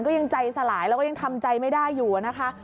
ยังใจสลายแล้วก็ยังทำใจไม่ได้อยู่นะคะ